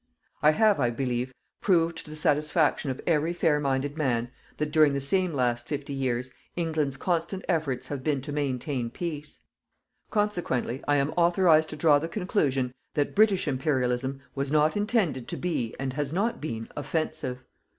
I have, I believe, proved to the satisfaction of every fair minded man, that during the same last fifty years England's constant efforts have been to maintain peace. Consequently, I am authorized to draw the conclusion that British Imperialism was not intended to be, and has not been "OFFENSIVE".